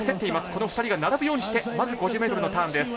この２人が並ぶようにしてまず５０ｍのターンです。